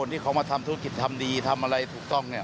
ทำอะไรถูกต้อง